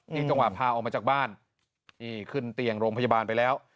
นี่จังหวะพาออกมาจากบ้านนี่ขึ้นเตียงโรงพยาบาลไปแล้ว